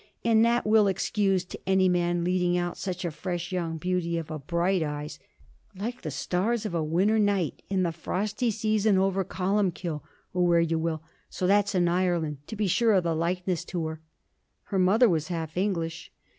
And that we'll excuse to any man leading out such a fresh young beauty of a Bright Eyes like the stars of a winter's night in the frosty season over Columkill, or where you will, so that's in Ireland, to be sure of the likeness to her.' 'Her mother was half English.'